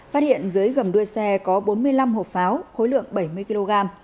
phát hiện dưới gầm đuôi xe có bốn mươi năm hộp pháo khối lượng bảy mươi kg